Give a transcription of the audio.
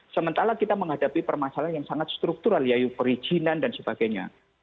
sementara kita menghadapi permasalahan yang sangat struktural yaitu perizinan dan sebagainya